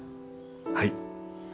はい。